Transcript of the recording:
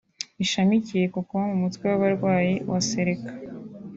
bishamikiye ku kuba mu mutwe w’abarwanyi wa Seleka